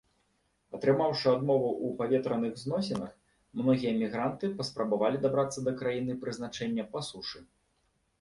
Атрымаўшы адмову ў паветраных зносінах, многія мігранты паспрабавалі дабрацца да краіны прызначэння па сушы.